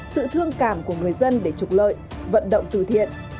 sự thương cảm của người dân để trục lợi vận động từ thiện